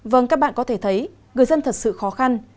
vâng các bạn có thể thấy người dân thật sự khó khăn